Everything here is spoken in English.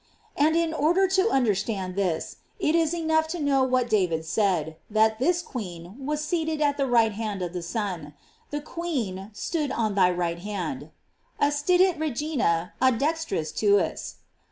|| And in or der to understand this, it is enough to know what David said, that this queen was seated at the right hand of the Son: The queen stood on thy right hand: "Astitit regina a dextris tuis.'